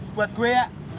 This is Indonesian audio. buat gue ya